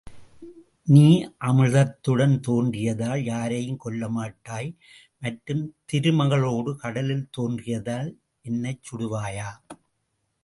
நீ அமிழ்தத்துடன் தோன்றியதால் யாரையும் கொல்லமாட்டாய், மற்றும், திருமகளோடு கடலில் தோன்றியதால் என்னைச் சுடுவாயா?